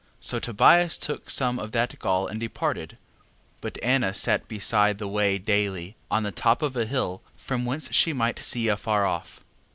So Tobias took some of that gall and departed. 11:5. But Anna sat beside the way daily, on the top of a hill, from whence she might see afar off.